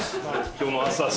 今日の朝。